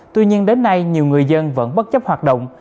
tuy nhiên đến nay nhiều người dân vẫn bất chấp hoạt động